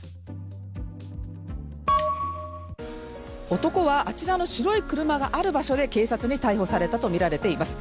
男はあちらの白い車がある場所で警察に逮捕されたとみられています。